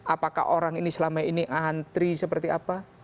apakah orang ini selama ini antri seperti apa